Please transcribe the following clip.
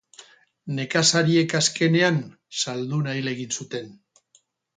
Nekazariek azkenean zalduna hil egin zuten.